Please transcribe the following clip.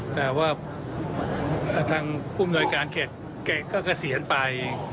แต่ว่าทางผู้มนวยการเขตก็เกษียณไป